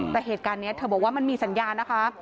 แต่เหตุการณ์นี้เธอบอกว่ามันมีสัญญานะคะ